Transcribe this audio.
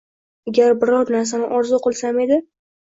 Agar biror narsani orzu qilsam edi.